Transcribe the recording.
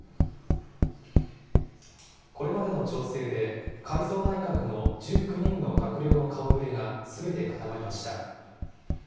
これまでの調整で、改造内閣の１９人の閣僚の顔ぶれがすべて固まりました。